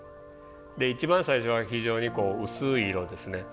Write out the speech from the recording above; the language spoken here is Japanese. で一番最初は非常に薄い色ですね。